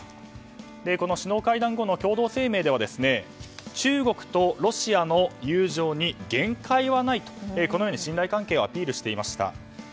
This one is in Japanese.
この首脳会談後の共同声明では中国とロシアの友情に限界はないと信頼関係をアピールしていました。